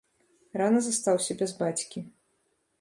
Рана застаўся без бацькі.